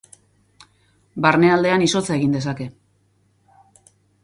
Barnealdean izotza egin dezake.